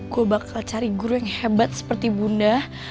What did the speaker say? gue bakal cari guru yang hebat seperti bunda